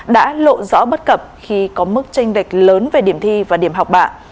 đã lộ rõ bất cập khi có mức tranh lệch lớn về điểm thi và điểm học bạ